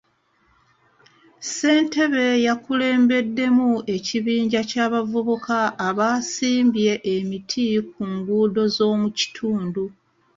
Ssentebe yakulembeddemu ekibinja ky'abavubuka abaasimbye emiti ku nguudo z'omu kitundu.